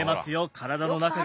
体の中が。